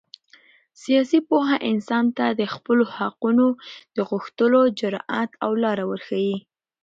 سیاسي پوهه انسان ته د خپلو حقونو د غوښتلو جرات او لاره ورښیي.